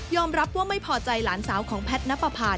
ยอมรับว่าไม่พอใจหลานสาวของแพทย์นปภาท